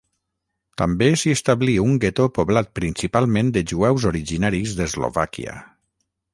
També s'hi establí un gueto poblat principalment de jueus originaris d'Eslovàquia.